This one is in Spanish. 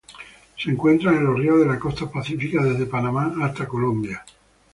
Se encuentran en los ríos de la costa pacífica desde Panamá hasta Colombia.